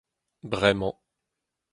bremañ